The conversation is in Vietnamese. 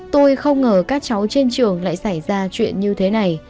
tôi không ngờ các cháu trên trường lại xảy ra chuyện như thế này